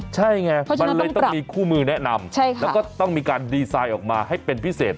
ใช่ไงมันเลยต้องมีคู่มือแนะนำแล้วก็ต้องมีการดีไซน์ออกมาให้เป็นพิเศษ